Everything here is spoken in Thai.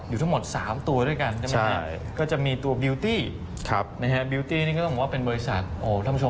เพราะว่าบรรดาเครื่องสำอางต่าง